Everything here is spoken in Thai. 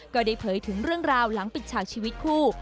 ก็ได้เผยถึงเรื่องราวหลังปิดฉากชีวิตคู่